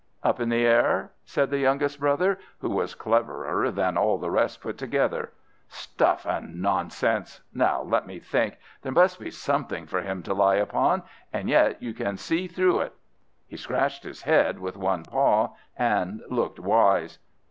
"Up in the air?" said the youngest brother, who was cleverer than all the rest put together. "Stuff and nonsense! Now let me think. There must be something for him to lie upon; and yet you can see through it." He scratched his head with one paw and looked wise.